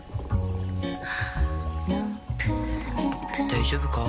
大丈夫か？